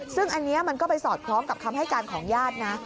ซึ่งอันนี้มันก็ไปสอดคล้องกับคำให้การของญาตินะ